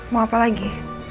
mau apa lagi